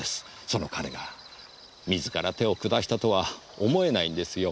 その彼が自ら手を下したとは思えないんですよ。